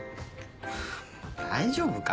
大丈夫か？